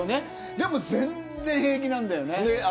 でも全然平気なんだよね。